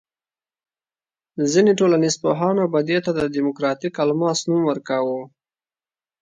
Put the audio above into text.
ځینې ټولنیز پوهانو به دې ته دیموکراتیک الماس نوم ورکاوه.